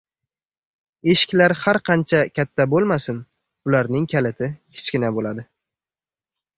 Eshiklar har qancha katta bo‘lmasin, ularning kaliti kichkina bo‘ladi.